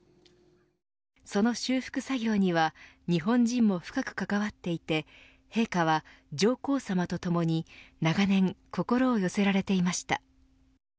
その修復作業には日本人も深く関わっていて陛下は上皇さまとともに長年、心を寄せられていました。